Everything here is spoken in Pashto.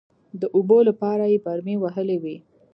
د اوبو لپاره يې برمې وهلې وې.